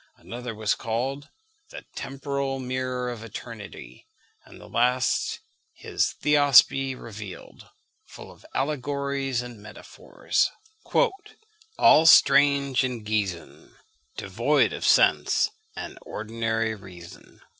Another was called The Temporal Mirror of Eternity; and the last his Theosophy revealed, full of allegories and metaphors, "All strange and geason, Devoid of sense and ordinary reason."